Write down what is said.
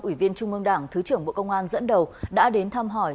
ủy viên trung ương đảng thứ trưởng bộ công an dẫn đầu đã đến thăm hỏi